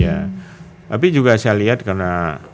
ya tapi juga saya lihat karena